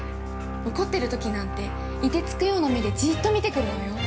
怒ってるときなんていてつくような目でじいっと見てくるのよ。